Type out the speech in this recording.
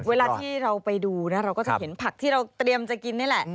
เวลาที่เราไปดูนะเราก็จะเห็นผักที่เราเตรียมจะกินนี่แหละ